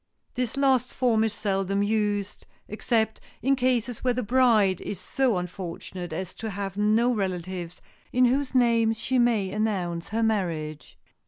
This last form is seldom used except in cases where the bride is so unfortunate as to have no relatives in whose names she may announce her marriage.